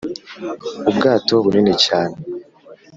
ubwato bunini cyane